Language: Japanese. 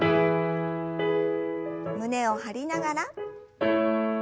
胸を張りながら。